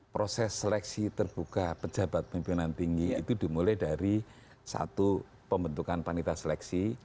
proses seleksi terbuka pejabat pimpinan tinggi itu dimulai dari satu pembentukan panita seleksi